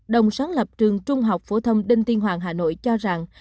đồng sáng lập trường trung học phổ thông đinh tiên hoàng hà nội cho rằng